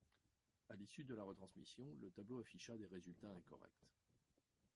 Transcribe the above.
À l’issue de la retransmission, le tableau afficha des résultats incorrects.